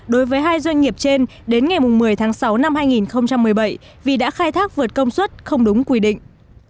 đối với hai doanh nghiệp trên đến ngày một mươi tháng sáu năm hai nghìn một mươi bảy vì đã khai thác vượt công suất không đúng quy định